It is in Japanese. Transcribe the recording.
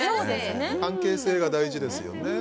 関係性が大事ですよね。